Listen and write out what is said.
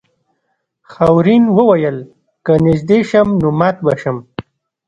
خاورین وویل که نږدې شم نو مات به شم.